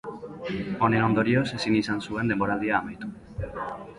Honen ondorioz ezin izan zuen denboraldia amaitu.